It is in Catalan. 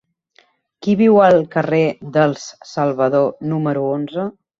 Qui viu al carrer dels Salvador número onze?